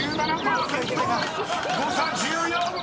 ［誤差１４！］